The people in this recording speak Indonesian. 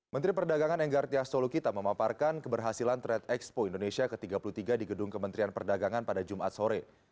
menteri perdagangan enggar tias tolukita memaparkan keberhasilan trade expo indonesia ke tiga puluh tiga di gedung kementerian perdagangan pada jumat sore